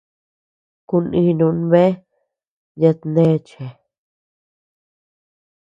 Kuninun bea yatneachea.